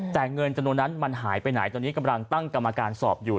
แต่เงินจำนวนนั้นมันหายไปไหนตอนนี้กำลังตั้งกรรมการสอบอยู่